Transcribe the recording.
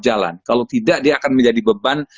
jalan kalau tidak dia akan menjadi beban